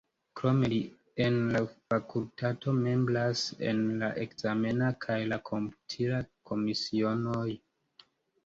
Krome li en la fakultato membras en la ekzamena kaj la komputila komisionoj.